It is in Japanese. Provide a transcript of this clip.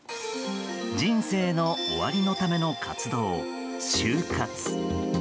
人生の終わりのための活動終活。